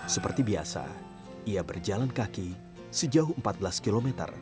seperti biasa ia berjalan kaki sejauh empat belas km